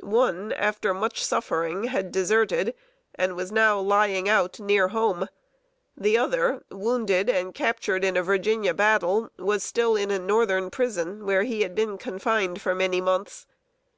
One, after much suffering, had deserted, and was now "lying out" near home. The other, wounded and captured in a Virginia battle, was still in a Northern prison, where he had been confined for many months.